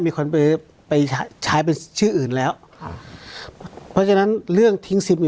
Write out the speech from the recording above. มีคนไปไปใช้เป็นชื่ออื่นแล้วค่ะเพราะฉะนั้นเรื่องทิ้งซิป